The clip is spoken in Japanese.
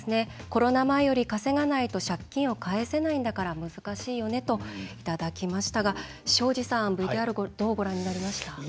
コロナ前より稼がないと借金を返せないんだから難しいよねといただきましたが庄司さん、ＶＴＲどうご覧になりました？